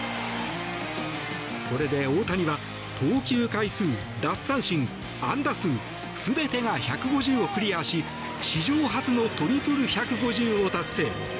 これで大谷は投球回数、奪三振、安打数全てが１５０をクリアし史上初のトリプル１５０を達成。